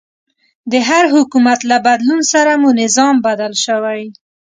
د هر حکومت له بدلون سره مو نظام بدل شوی.